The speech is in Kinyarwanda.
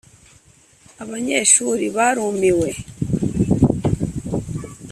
Abanyeshuri barimuwe.